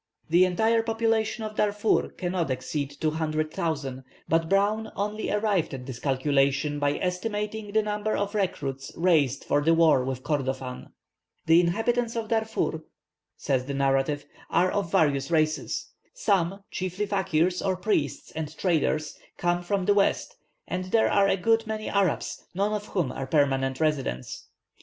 The entire population of Darfur cannot exceed two hundred thousand, but Browne only arrived at this calculation by estimating the number of recruits raised for the war with Kordofan. "The inhabitants of Darfur," says the narrative, "are of various races. Some, chiefly fakeers or priests and traders, come from the west, and there are a good many Arabs, none of whom are permanent residents.